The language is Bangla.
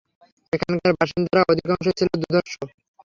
এখানকার বাসিন্দারা অধিকাংশই ছিল দুর্ধর্ষ।